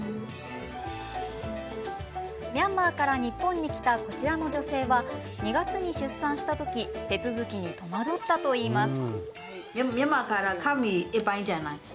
ミャンマーから日本に来たこちらの女性は２月に出産した時手続きに戸惑ったといいます。